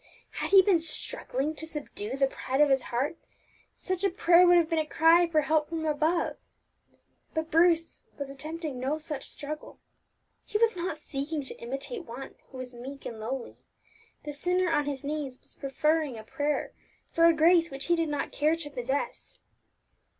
Had he been struggling to subdue the pride of his heart, such a prayer would have been a cry for help from above; but Bruce was attempting no such struggle. He was not seeking to imitate One who was meek and lowly; the sinner on his knees was preferring a prayer for a grace which he did not care to possess.